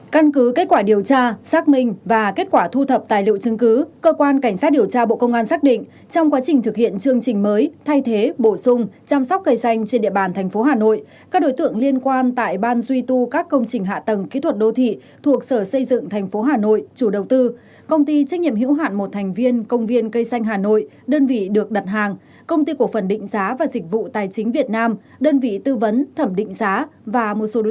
căn cứ kết quả điều tra xác minh và kết quả thu thập tài liệu chứng cứ cơ quan cảnh sát điều tra bộ công an xác định trong quá trình thực hiện chương trình mới thay thế bổ sung chăm sóc cây xanh trên địa bàn tp hà nội các đối tượng liên quan tại ban duy tu các công trình hạ tầng kỹ thuật đô thị thuộc sở xây dựng tp hà nội chủ đầu tư công ty trách nhiệm hiểu hạn một thành viên công viên cây xanh hà nội đơn vị được đặt hàng công ty cổ phần định giá và dịch vụ tài chính việt nam đơn vị tư vấn thẩm định giá và một số đối t